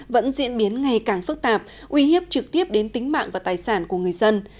vẫn diễn biến ngày càng phức tạp uy hiếp trực tiếp đến tính mạng và tài sản của người dân